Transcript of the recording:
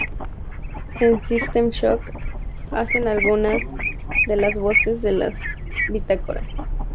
En "System Shock" hace algunas de las voces de las bitácoras.